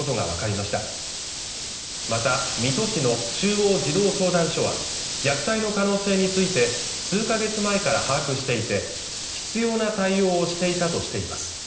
また水戸市の中央児童相談所は虐待の可能性について数か月前から把握していて必要な対応をしていたとしています